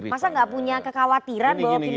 masa nggak punya kekhawatiran bahwa